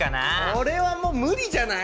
これはもう無理じゃない？